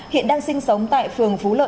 hiện đang sinh sống tại phường phú lợi